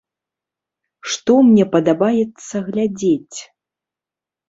Што мне падабаецца глядзець?